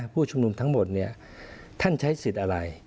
ผู้ชุมนุมทั้งหมดท่านใช้สิทธิ์อะไร